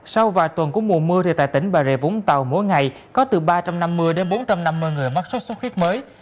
sau vài tuần của mùa mưa thì tại tỉnh bà rịa vũng tàu mỗi ngày có từ ba trăm năm mươi đến bốn trăm năm mươi người mắc sốt xuất huyết mới